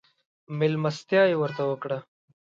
مېلمستيا يې ورته وکړه.